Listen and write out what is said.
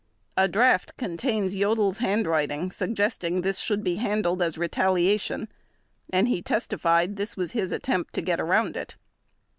A draft contains Jodl's handwriting suggesting this should be handled as retaliation, and he testified this was his attempt to get around it.